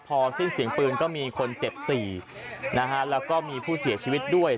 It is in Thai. พอสิ้นเสียงปืนก็มีคนเจ็บ๔นะฮะแล้วก็มีผู้เสียชีวิตด้วย